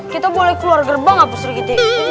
kita boleh keluar gerbang nggak pak serikiti